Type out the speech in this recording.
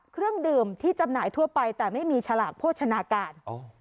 เครื่องดื่มที่จำหน่ายทั่วไปแต่ไม่มีฉลากโภชนาการ